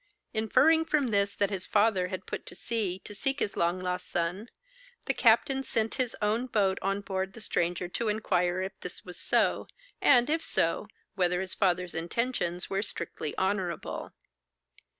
Inferring from this, that his father had put to sea to seek his long lost son, the captain sent his own boat on board the stranger to inquire if this was so, and, if so, whether his father's intentions were strictly honourable.